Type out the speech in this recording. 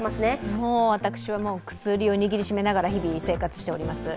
もう私は薬を握りしめながら、日々生活をしております。